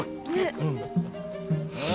うん！